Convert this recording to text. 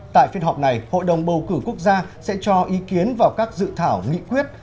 tại phiên họp này hội đồng bầu cử quốc gia sẽ cho ý kiến vào các dự thảo nghị quyết